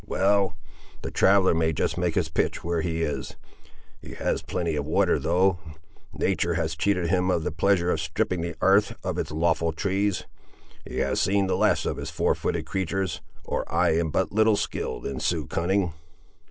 Well! the traveller may just make his pitch where he is; he has plenty of water, though natur' has cheated him of the pleasure of stripping the 'arth of its lawful trees. He has seen the last of his four footed creatures, or I am but little skilled in Sioux cunning."